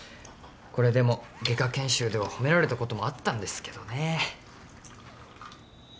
これでも外科研修では褒められたこともあったんですけどね。